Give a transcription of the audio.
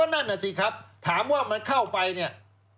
นั่นน่ะสิครับถามว่ามันเข้าไปเนี่ย